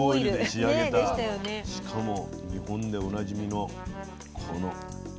しかも日本でおなじみのこの香草たっぷり。